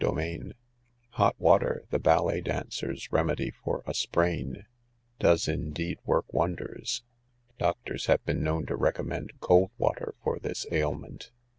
CHAPTER VII Hot water, the ballet dancer's remedy for a sprain, does indeed work wonders. Doctors have been known to recommend cold water for this ailment.